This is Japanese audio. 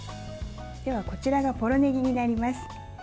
こちらがポロねぎになります。